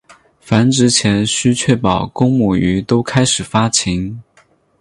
繁殖前须确保公母鱼都开始发情。